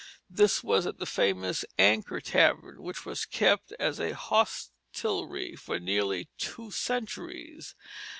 This was at the famous Anchor Tavern, which was kept as a hostelry for nearly two centuries.